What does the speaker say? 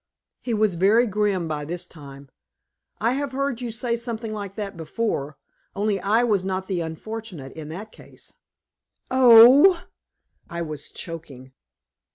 He was very grim by this time. "I have heard you say something like that before only I was not the unfortunate in that case." "Oh!" I was choking.